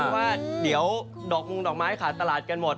เพราะว่าเดี๋ยวดอกมุงดอกไม้ขาดตลาดกันหมด